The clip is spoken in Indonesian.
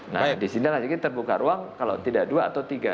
nah disitulah terbuka ruang kalau tidak dua atau tiga